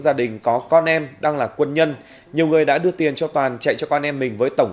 gia đình có con em đang là quân nhân nhiều người đã đưa tiền cho toàn chạy cho con em mình với tổng